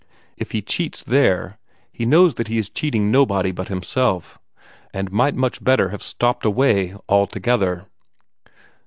If he cheats there, he knows that he is cheating nobody but himself, and might much better have stopped away altogether."